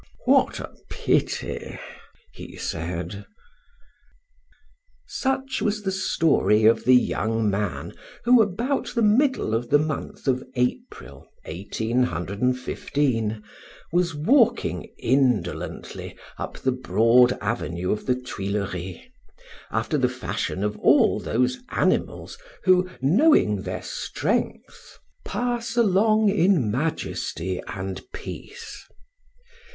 What a pity!" he said. Such was the story of the young man who, about the middle of the month of April, 1815, was walking indolently up the broad avenue of the Tuileries, after the fashion of all those animals who, knowing their strength, pass along in majesty and peace.